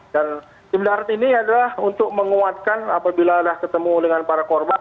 dan tim darurat ini adalah untuk menguatkan apabila ada ketemu dengan para korban